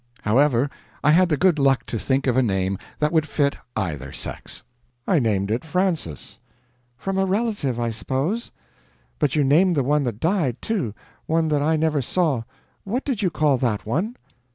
However, I had the good luck to think of a name that would fit either sex so I brought it out: "I named it Frances." "From a relative, I suppose? But you named the one that died, too one that I never saw. What did you call that one?"